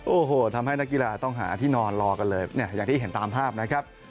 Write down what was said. โอ้โหทำให้นักกีฬาต้องหาที่นอนรอกันเลยเนี่ยอย่างที่เห็นตามภาพนะครับ